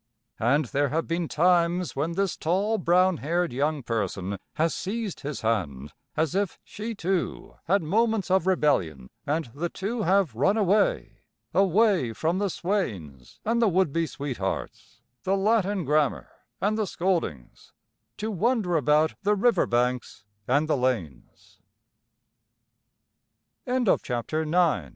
And there have been times when this tall brown haired young person has seized his hand, as if she too had moments of rebellion, and the two have run away away from the swains and the would be sweethearts, the Latin grammar and the scoldings, to wander ab